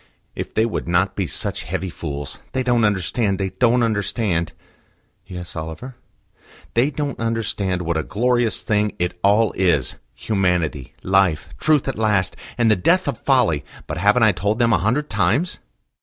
"If they would not be such heavy fools: they don't understand; they don't understand." "Yes, Oliver?" "They don't understand what a glorious thing it all is: Humanity, Life, Truth at last, and the death of Folly! But haven't I told them a hundred times?"